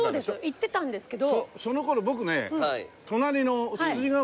行ってたんですけど。